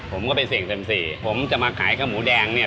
ผมก็ไปเสี่ยงเต็มสี่ผมจะมาขายข้าวหมูแดงเนี่ย